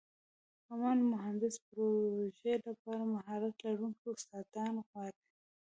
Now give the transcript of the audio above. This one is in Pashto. امن مهندسي پروژې لپاره مهارت لرونکي استادان غواړو.